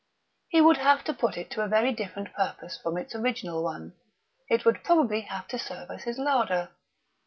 He would have to put it to a very different purpose from its original one; it would probably have to serve as his larder....